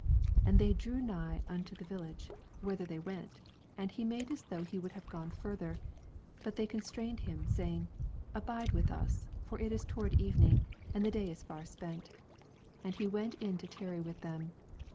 28 And they drew nigh unto the village, whither they went : and he made as though he would have gone further. 29 But they constrained him, say ing, Abide with us : for it is toward evening, and the day is far spent. And he went in to tarry with them.